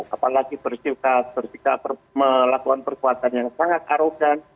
apalagi bersikap melakukan perbuatan yang sangat arogan